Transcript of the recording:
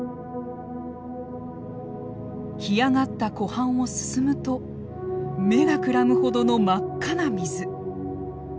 干上がった湖畔を進むと目がくらむほどの真っ赤な水。